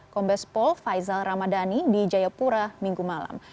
kombes pol faisal ramadhani di jayapura minggu malam